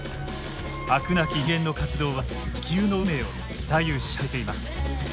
飽くなき人間の活動は地球の運命を左右し始めています。